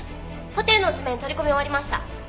ホテルの図面取り込み終わりました。